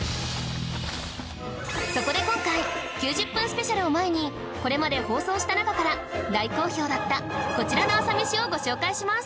そこで今回９０分スペシャルを前にこれまで放送した中から大好評だったこちらの朝メシをご紹介します